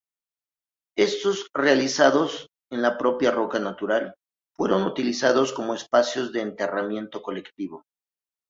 Éstos, realizados en la propia roca natural, fueron utilizados como espacios de enterramiento colectivo.